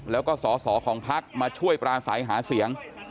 แล้วก็สอสอของพักมาช่วยปราศัยหาเสียง